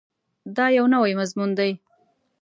دا یو نوی مضمون دی.